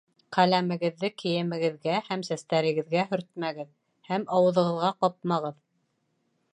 Ҡәләмегеҙҙе кейемегеҙгә һәм сәстәрегеҙгә һөртмәгеҙ һәм ауыҙығыҙға ҡапмағыҙ.